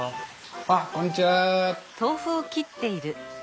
あっこんにちは。